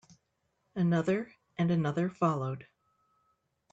Another and another followed.